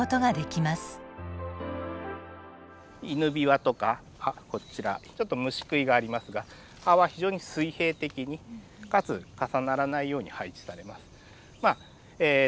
イヌビワとかあっこちらちょっと虫食いがありますが葉は非常に水平的にかつ重ならないように配置されます。